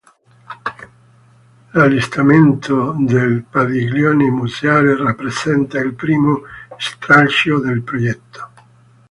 L'allestimento del padiglione museale rappresenta il primo stralcio del progetto.